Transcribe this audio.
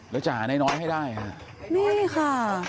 แล้วจะหาน้อยให้ได้ฮะนี่ค่ะ